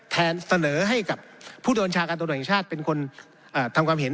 แทนเสนอให้กับผู้โดนชากอัตโนแห่งชาติเป็นคนอ่าทำความเห็น